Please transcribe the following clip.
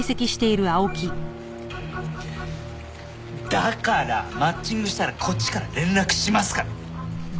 だからマッチングしたらこっちから連絡しますから！